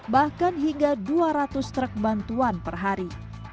bahkan hingga dua ratus truk bantuan per hari